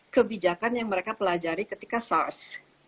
kebijakan yang mereka pelajari ketika sars